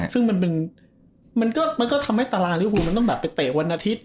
ซึ่งมันก็ทำให้ตารางลิฟูมันต้องแบบไปเตะวันอาทิตย์